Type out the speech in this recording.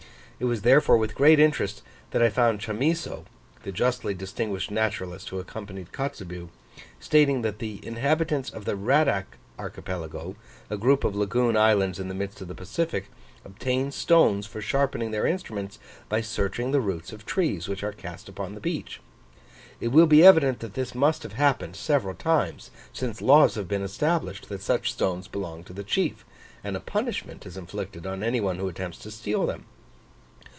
It was therefore with great interest that I found Chamisso, the justly distinguished naturalist who accompanied Kotzebue, stating that the inhabitants of the Radack archipelago, a group of lagoon islands in the midst of the Pacific, obtained stones for sharpening their instruments by searching the roots of trees which are cast upon the beach. It will be evident that this must have happened several times, since laws have been established that such stones belong to the chief, and a punishment is inflicted on any one who attempts to steal them.